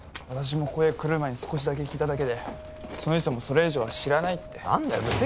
私もここへ来る前に少しだけ聞いただけでその人もそれ以上は知らないって何だよ